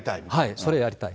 それ、やりたい。